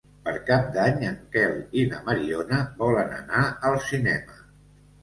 Per Cap d'Any en Quel i na Mariona volen anar al cinema.